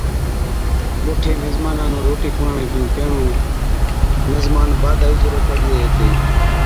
اُٺي مزمانان نُون روٽِي کُڙاوڻي کن پيھِڻِيُون، مزمان باڌائِي چي ڏوڪڙ ڏيئي ھِتي،